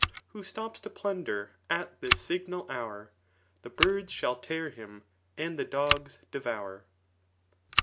Who stops to plunder at this signal hour. The birds thaH^tear him, and the dogs devour.